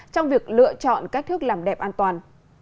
trong việc lựa chọn cách thức làm đẹp an toàn